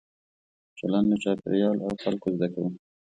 چلند له چاپېریال او خلکو زده کوو.